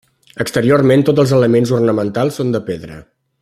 Exteriorment tots els elements ornamentals són de pedra.